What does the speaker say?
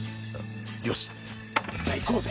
よしじゃ行こうぜ。